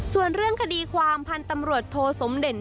ส่วนเรื่องคดีความพันธ์ตำรวจโทสมเด่น